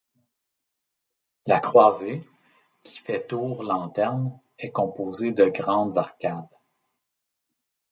La croisée, qui fait tour-lanterne, est composée de grandes arcades.